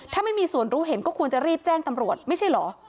ถ้าไม่มีส่วนรู้เห็นก็ควรจะรีบแจ้งตำรวจไม่ใช่เหรอ